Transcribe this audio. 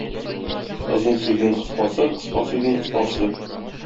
Озын сүзнең кыскасы, кыска сүзнең остасы.